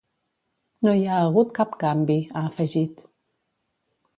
No hi ha hagut cap canvi, ha afegit.